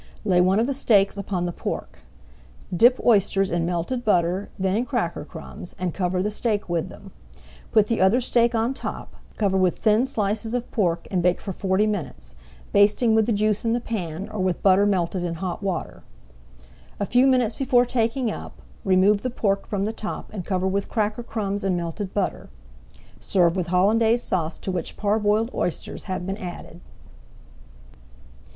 Lay one of the steaks upon the pork. Dip oysters in melted butter, then in cracker crumbs, and cover the steak with them. Put the other steak on top, cover with thin slices of pork and bake for forty minutes, basting with the juice in the pan or with butter melted in hot water. A few minutes before taking up, remove the pork from the top and cover with cracker crumbs and melted butter. Serve with Hollandaise Sauce to which parboiled oysters have been added.